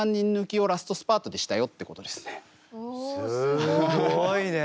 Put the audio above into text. すごいね！